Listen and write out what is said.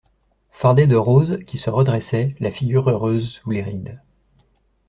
Fardé de rose, qui se redressait, la figure heureuse, sous les rides.